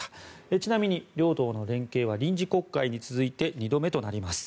ちなみに両党の連携は臨時国会に続いて２度目となります。